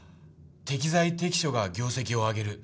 適材適所が業績を上げる。